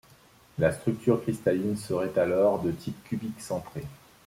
La structure cristalline serait alors de type cubique centré.